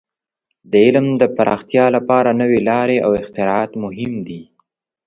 د علم د پراختیا لپاره نوې لارې او اختراعات مهم دي.